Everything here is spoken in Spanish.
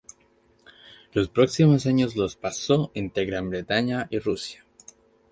Los próximos años los pasó entre Gran Bretaña Y Rusia.